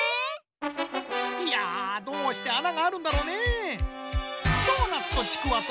いやどうして穴があるんだろうねえ？